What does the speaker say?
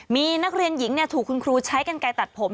มีนักเรียนหญิงถูกคุณครูใช้กันไกลตัดผม